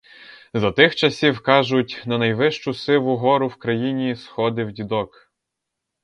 За тих часів, кажуть, на найвищу сиву гору в країні сходив дідок.